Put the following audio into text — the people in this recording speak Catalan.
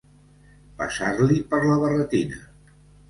Passar-li per la barretina.